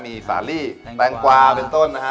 มีสาลีแตงกวาเป็นต้นนะฮะ